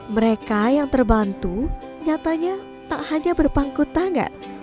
mereka yang terbantu nyatanya tak hanya berpangkutan nggak